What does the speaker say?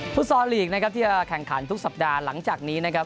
ซอลลีกนะครับที่จะแข่งขันทุกสัปดาห์หลังจากนี้นะครับ